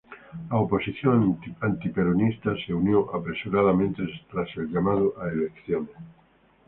La oposición antiperonista se unió apresuradamente tras el llamado a elecciones.